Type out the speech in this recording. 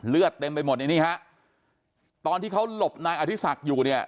เลือดเต็มไปหมดตอนที่เขาหลบนายอธิษักษ์อยู่เนี่ย